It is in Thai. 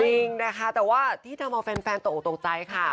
จริงนะคะแต่ว่าที่ทำเอาแฟนตกออกตกใจค่ะ